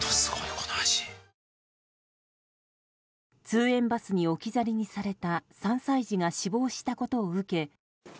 通園バスに置き去りにされた３歳児が死亡したことを受け